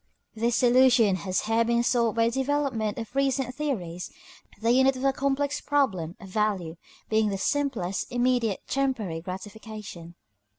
This solution has here been sought by a development of recent theories, the unit of the complex problem of value being the simplest, immediate, temporary gratification.